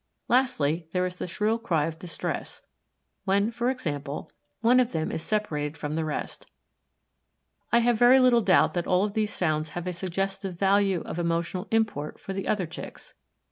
Lastly there is the shrill cry of distress, when, for example, one of them is separated from the rest. I have very little doubt that all of these sounds have a suggestive value of emotional import for the other Chicks.